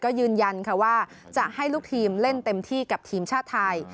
ก็ยืนยันค่ะว่าจะให้ลูกทีมเล่นเต็มที่กับทีมชาติไทย